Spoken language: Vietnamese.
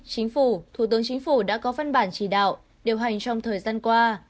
chính phủ thủ tướng chính phủ đã có phân bản chỉ đạo điều hành trong thời gian qua